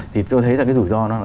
thì tôi thấy ra cái rủi ro đó là